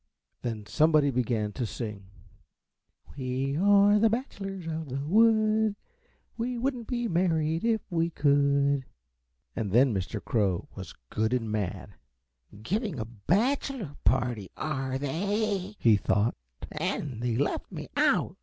Then somebody began to sing, "We are the bachelors of the wood; we wouldn't be married if we could." And then Mr. Crow was good and mad. "Giving a bachelor party, are they," he thought, "and they left me out.